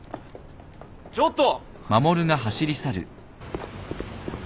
ちょっと。